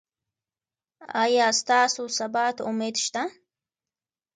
ایا ستاسو سبا ته امید شته؟